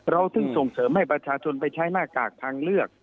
ถึงส่งเสริมให้ประชาชนไปใช้หน้ากากทางเลือก